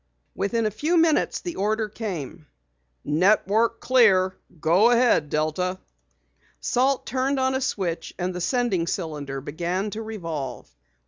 Within a few minutes the order came: "Network clear. Go ahead, Delta." Salt turned on a switch and the sending cylinder began to revolve.